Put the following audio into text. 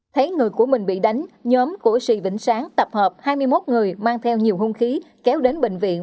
thấy người của mình bị đánh nhóm của sĩ vĩnh sáng tập hợp hai mươi một người mang theo nhiều hung khí kéo đến bệnh viện